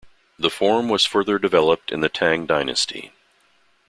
The form was further developed in the Tang Dynasty.